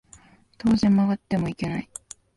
当然曲がってもいけない